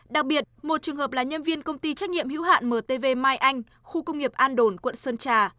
đặc biệt một trường hợp là nhân viên công ty trách nhiệm hữu hạn mtv mai anh khu công nghiệp an đồn quận sơn trà